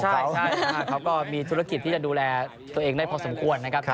ใช่เขาก็มีธุรกิจที่จะดูแลตัวเองได้พอสมควรนะครับ